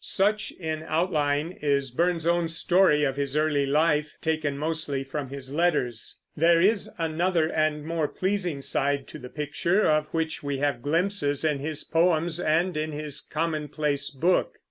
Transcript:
Such, in outline, is Burns's own story of his early life, taken mostly from his letters. There is another and more pleasing side to the picture, of which we have glimpses in his poems and in his Common place Book.